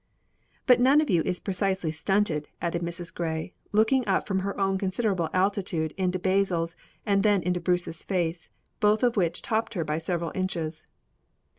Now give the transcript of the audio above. "But none of you is precisely stunted," added Mrs. Grey, looking up from her own considerable altitude into Basil's, and then into Bruce's face, both of which topped her by several inches.